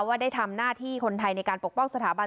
ว่าได้ทำหน้าที่คนไทยในการปกป้องสถาบัน